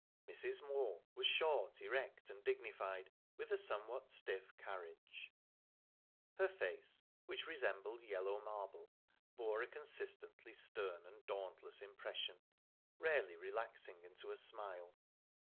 Mrs. Moor was short, erect, and dignified, with a somewhat stiff carriage. Her face, which resembled yellow marble, bore a consistently stern and dauntless expression, rarely relaxing into a smile.